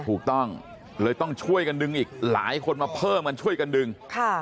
ถูกต้องเลยต้องช่วยกันดึงอีกหลายคนมาเพิ่มกันช่วยกันดึง